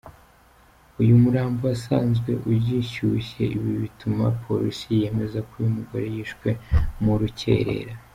Uyu murambo wasanzwe ugishyushye ibi bigatuma polisi yemeza ko uyu mugore yishwe mu rukerera.